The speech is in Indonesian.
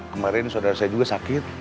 kemarin saudara saya juga sakit